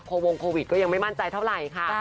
วงโควิดก็ยังไม่มั่นใจเท่าไหร่ค่ะ